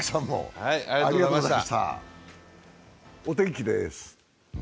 お天気です。